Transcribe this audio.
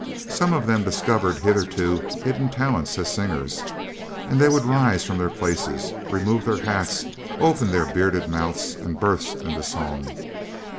Some of them discovered hitherto hidden talents as singers, and they would rise from their places, remove their hats, open their bearded mouths, and burst into song.